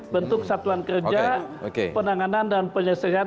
bentuk satuan kerja penanganan dan penyelesaian